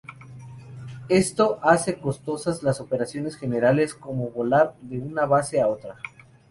Esto hace costosas las operaciones generales como volar de una base a otra.